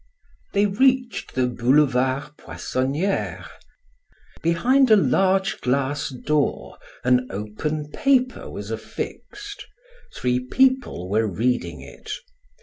They reached the Boulevarde Poissoniere; behind a large glass door an open paper was affixed; three people were reading it.